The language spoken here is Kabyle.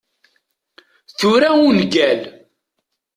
Tura ungal.